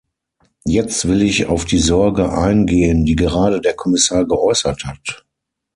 Jetzt will ich auf die Sorge eingehen, die gerade der Kommissar geäußert hat.